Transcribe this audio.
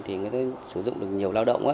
thì người ta sử dụng được nhiều lao động